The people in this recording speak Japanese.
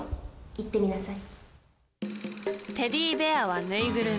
言ってみなさい。